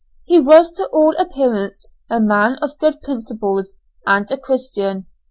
He was to all appearance a man of good principles, and a Christian.